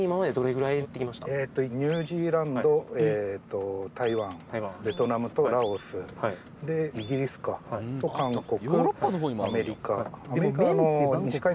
はいニュージーランド台湾ベトナムとラオスでイギリスかと韓国アメリカアメリカ